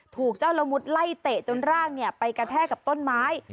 ถูกเจ้าละมุดไล่เตะจนร่างไปกระแทกกับต้นไม้